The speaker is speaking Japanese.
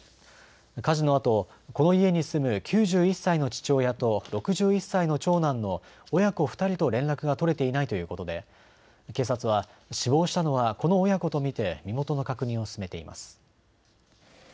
火事のあと、この家に住む９１歳の父親と６１歳の長男の親子２人と連絡が取れていないということで警察は死亡したのはこの親子と見て身元の確認を進めています。